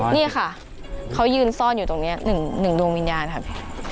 นี่ค่ะเขายืนซ่อนอยู่ตรงนี้๑ดวงวิญญาณค่ะพี่